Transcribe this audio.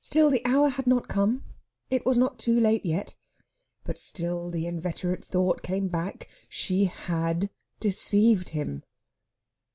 Still, the hour had not come; it was not too late yet. But still the inveterate thought came back she had deceived him.